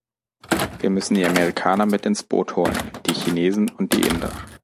Wir müssen die Amerikaner mit ins Boot holen, die Chinesen und die Inder.